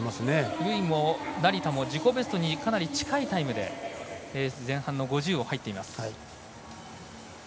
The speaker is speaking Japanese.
由井も成田も自己ベストにかなり近いタイムで前半の５０を入っています。